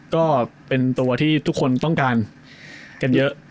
ก็เป็นตัวที่ทุกคนต้องการกันเยอะ